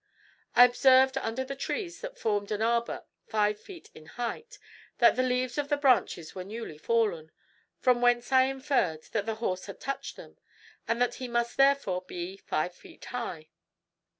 I observed under the trees that formed an arbor five feet in height, that the leaves of the branches were newly fallen; from whence I inferred that the horse had touched them, and that he must therefore be five feet high.